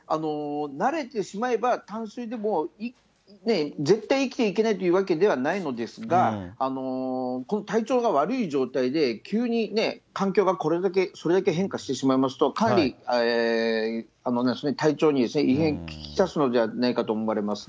慣れてしまえば、淡水でも、絶対生きていけないというわけではないのですが、体調が悪い状態で、急に環境がこれだけ、それだけ変化してしまいますと、かなり体調に異変を来すのではないかと思われますね。